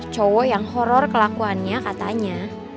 cowok yang horror kelakuannya katanya